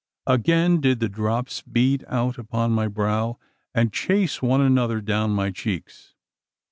Again did the drops bead out upon my brow, and chase one another down my cheeks.